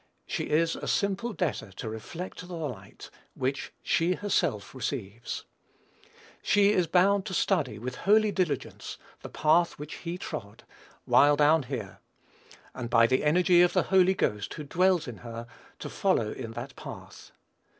She is a simple debtor to reflect the light which she herself receives. She is bound to study, with holy diligence, the path which he trod, while down here; and by the energy of the Holy Ghost, who dwells in her, to follow in that path.